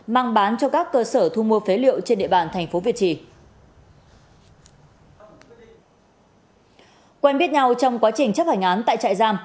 mang bán cho các cơ sở thu mua phế liệu trên địa bàn tp việt trì